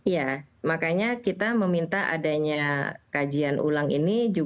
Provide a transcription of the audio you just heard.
ya makanya kita meminta adanya kajian ulang ini